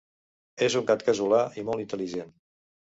És un gat casolà i molt intel·ligent.